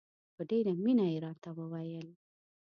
په ډېره مینه یې راته وویل.